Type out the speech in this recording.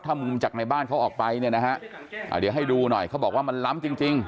ถ้ามุมจากในบ้านเขาออกไปเนี่ยนะฮะเดี๋ยวให้ดูหน่อยเขาบอกว่ามันล้ำจริงจริง